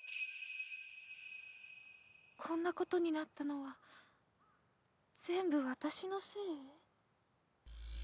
こんなことになったのはぜんぶわたしのせい？